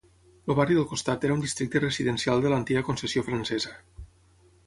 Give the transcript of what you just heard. El barri del costat era un districte residencial de l'antiga concessió francesa.